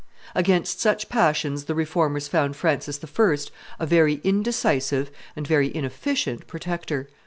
Against such passions the Reformers found Francis I. a very indecisive and very inefficient protector.